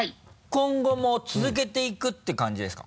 今後も続けていくって感じですか？